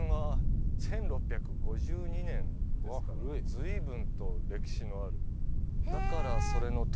随分と歴史のある。